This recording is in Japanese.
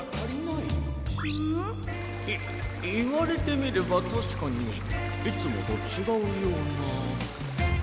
いいわれてみればたしかにいつもとちがうような。